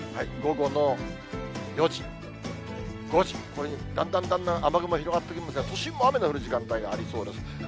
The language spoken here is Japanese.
午後の４時、５時、だんだんだんだん雨雲広がってくるんですが、都心も雨の降る時間帯がありそうです。